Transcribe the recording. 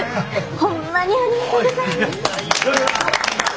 ホンマにありがとうございます！